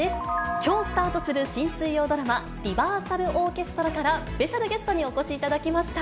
きょうスタートする新水曜ドラマ、リバーサルオーケストラから、スペシャルゲストにお越しいただきました。